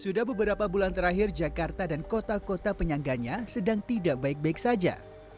sudah beberapa bulan terakhir jakarta dan kota kota penyangganya sedang tidak baik baik saja